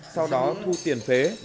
sau đó thu tiền phế